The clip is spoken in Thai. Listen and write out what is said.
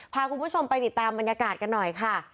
พาคุณผู้ชมไปติดตามบรรยากาศกันหน่อยค่ะ